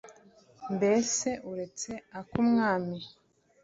mbese uretse ak'umwami